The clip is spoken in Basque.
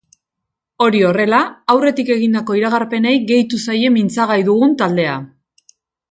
Hori horrela, aurretik egindako iragarpenei gehitu zaie mintzagai dugun taldea.